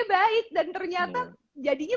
baik dan ternyata jadinya